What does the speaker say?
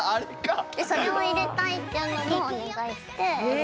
でそれを入れたいっていうのもお願いして。